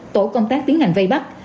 tổ công tác tiến hành vây bắt